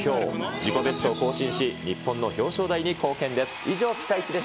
自己ベストを更新し、日本の表彰台に貢献です。